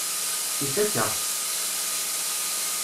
Ifakk-aɣ-tt.